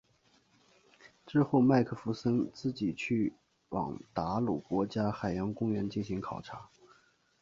之后麦克弗森自己去往达鲁国家海洋公园进行考察。